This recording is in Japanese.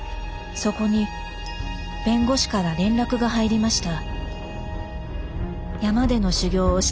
そこに弁護士から連絡が入りました。